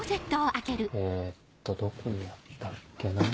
えっとどこにあったっけなぁ？